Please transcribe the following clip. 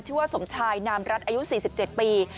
ชื่อว่าสมชายนามรัฐอายุ๔๗ปี